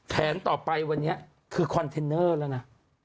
แผนต่อไปวันนี้คือคอนเทนเนอร์แล้วนะ